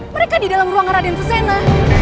mereka di dalam ruangan raden fusena